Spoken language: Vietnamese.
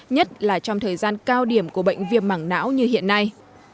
nhất là trong thời gian cao điểm của bệnh viêm mảng não như hiện nay